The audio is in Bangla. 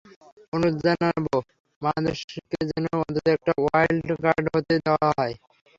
অনুরোধ জানাব, বাংলাদেশকে যেন অন্তত একটা ওয়াইল্ড কার্ড হলেও দেওয়া হয়।